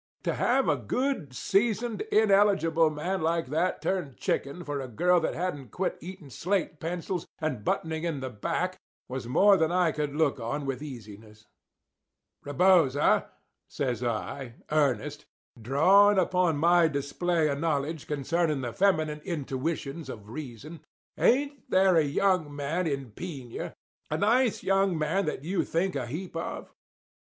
To have a good, seasoned, ineligible man like that turn chicken for a girl that hadn't quit eating slate pencils and buttoning in the back was more than I could look on with easiness. "Rebosa," says I, earnest, drawing upon my display of knowledge concerning the feminine intuitions of reason—"ain't there a young man in Piña—a nice young man that you think a heap of?"